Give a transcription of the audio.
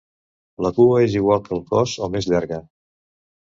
La cua és igual que el cos o més llarga.